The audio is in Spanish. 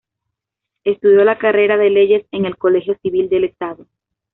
Estudió la carrera de leyes en el Colegio Civil del Estado.